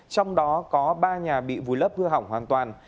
trong đó có ba nhà bị vùi lấp hư hỏng hoàn toàn